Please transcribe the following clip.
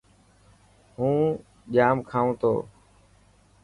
هون ڄام کائون تو.